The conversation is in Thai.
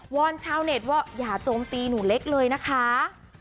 อนชาวเน็ตว่าอย่าโจมตีหนูเล็กเลยนะคะ